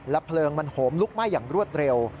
เพลิงมันโหมลุกไหม้อย่างรวดเร็ว